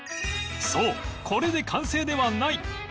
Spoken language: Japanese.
そうこれで完成ではない